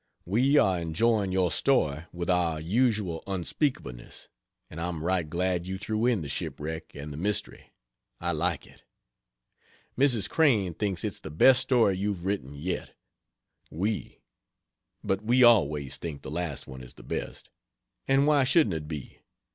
We are enjoying your story with our usual unspeakableness; and I'm right glad you threw in the shipwreck and the mystery I like it. Mrs. Crane thinks it's the best story you've written yet. We but we always think the last one is the best. And why shouldn't it be?